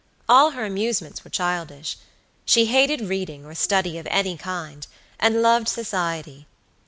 All her amusements were childish. She hated reading, or study of any kind, and loved society.